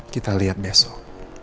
kita lihat besok